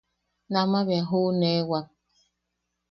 Nama bea juʼuneewak.